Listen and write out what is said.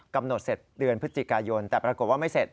กำหนดเสร็จเดือนพฤศจิกายนแต่ปรากฏว่าไม่เสร็จ